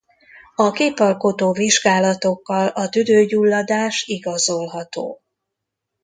A képalkotó vizsgálatokkal a tüdőgyulladás igazolható.